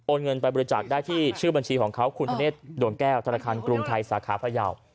เงินไปบริจาคได้ที่ชื่อบัญชีของเขาคุณธเนธดวงแก้วธนาคารกรุงไทยสาขาพยาว